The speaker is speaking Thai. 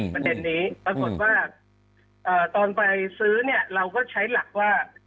ประเด็นนี้ปรากฏว่าตอนไปซื้อเนี่ยเราก็ใช้หลักว่า